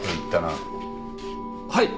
はい。